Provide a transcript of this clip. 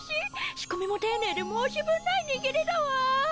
仕込みも丁寧で申し分ない握りだわ。